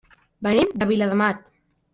Venim de Viladamat.